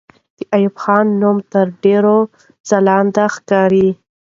د ایوب خان نوم تر ډېرو ځلانده ښکاري.